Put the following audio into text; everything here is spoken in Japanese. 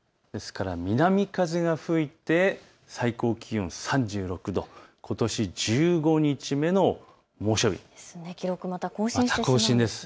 南風が吹いて最高気温３６度、ことし１５日目の猛暑日です。